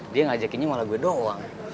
dia ngajakinnya malah gue doang